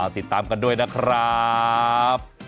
ติดตามกันด้วยนะครับ